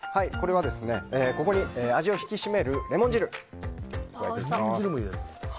ここに味を引き締めるレモン汁を入れていきます。